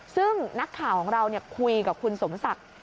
ซึ่งนักข่าวของเราคุยกับคุณสมศักดิ์